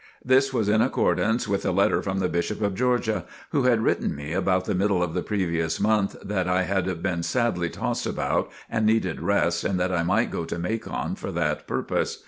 This was in accordance with a letter from the Bishop of Georgia, who had written me about the middle of the previous month, that I had been sadly tossed about and needed rest and that I might go to Macon for that purpose.